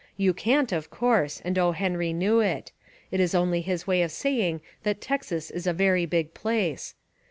You can't, of course; and O. Henry knew It. It is only his way of saying that Texas is a very big place.